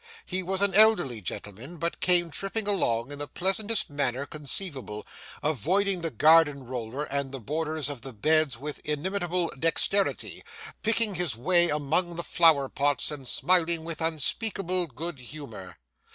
He was an elderly gentleman, but came tripping along in the pleasantest manner conceivable, avoiding the garden roller and the borders of the beds with inimitable dexterity, picking his way among the flower pots, and smiling with unspeakable good humour.